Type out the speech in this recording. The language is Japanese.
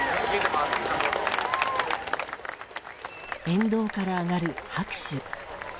沿道から上がる拍手。